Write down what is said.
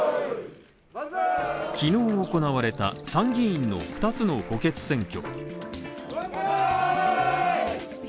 昨日、行われた参議院の２つの補欠選挙。